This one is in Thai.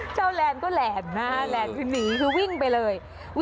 แลนด์ก็แหลนด์นะแหลนด์คือหนีคือวิ่งไปเลย